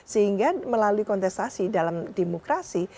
sehingga melalui kontestasi dalam demokrasi